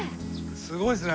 すごいっすね。